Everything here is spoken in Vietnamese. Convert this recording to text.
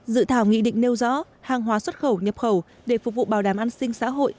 dự thảo nghị định nêu rõ hàng hóa xuất khẩu nhập khẩu để phục vụ bảo đảm an sinh xã hội